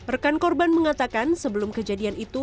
rekan korban mengatakan sebelum kejadian itu